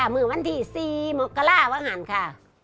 หมื่นวันที่สี่บอกกระล่าวฮันค่ะ